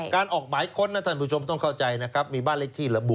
การออกหมายค้นนะท่านผู้ชมต้องเข้าใจนะครับมีบ้านเลขที่ระบุ